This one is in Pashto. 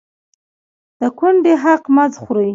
د کونډې حق مه خورئ